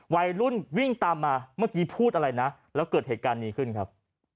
วัยรุ่นวิ่งตามมาเมื่อกี้พูดอะไรนะแล้วเกิดเหตุการณ์นี้ขึ้นครับ